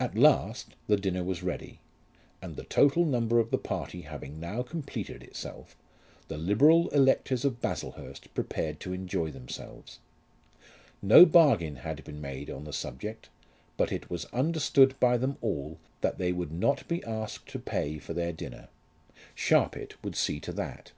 At last the dinner was ready; and the total number of the party having now completed itself, the liberal electors of Baslehurst prepared to enjoy themselves. No bargain had been made on the subject, but it was understood by them all that they would not be asked to pay for their dinner. Sharpit would see to that.